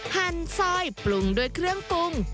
หั่นซอยปรุงด้วยเครื่องปรุง